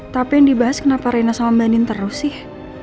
tapi yang dibahas kenapa rena sama andin terus sih